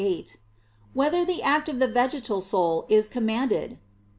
8] Whether the Act of the Vegetal Soul Is Commanded?